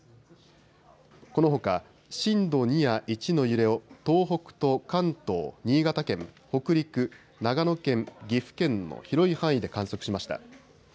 このほか震度２や１の揺れを東北と関東、新潟県、北陸、長野県、岐阜県の広い範囲で観測しました。